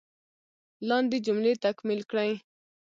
لاندې جملې تکمیل کړئ.